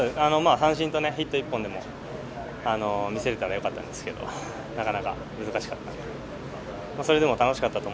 三振とヒット１本でも見せれたらよかったんですがなかなか難しかったなと。